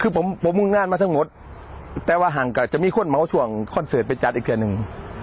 คือผมผมงานมาทั้งหมดแต่ว่าห่างกันจะมีคนเหมาช่วงคอนเสิร์ตไปจัดอีกแค่หนึ่ง